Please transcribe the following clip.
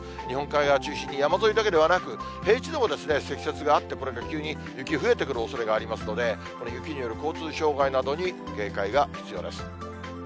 日本海側中心に、山沿いだけではなく、平地でも積雪があって、これが急に雪増えてくるおそれがありますので、この雪による交通障害などに警戒が必要です。